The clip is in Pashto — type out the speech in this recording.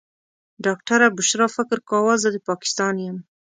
ډاکټره بشرا فکر کاوه زه د پاکستان یم.